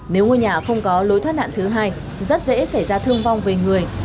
nếu ngôi nhà không có lối thoát nạn thứ hai rất dễ xảy ra thương vong về người